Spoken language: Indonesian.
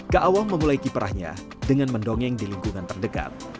ka awam memulai kiprahnya dengan mendongeng di lingkungan terdekat